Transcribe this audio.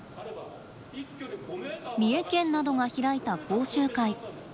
三重県などが開いた講習会。